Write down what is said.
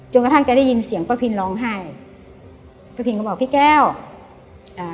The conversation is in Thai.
กระทั่งแกได้ยินเสียงป้าพินร้องไห้ป้าพินก็บอกพี่แก้วอ่า